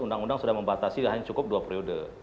undang undang sudah membatasi hanya cukup dua periode